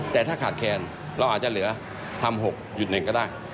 แต่ถ้าขาดแคลนเราอาจจะเหลือทำ๖๑ก็ได้